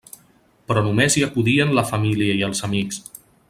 Però només hi acudien la família i els amics.